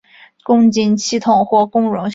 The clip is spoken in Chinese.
共晶系统或共熔系统。